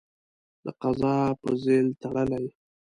د قضا په ځېل تړلی.